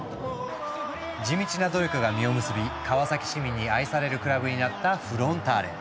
地道な努力が実を結び川崎市民に愛されるクラブになったフロンターレ。